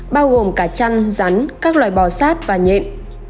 bao gồm cả chăn rắn các loài bò sát và nhẹ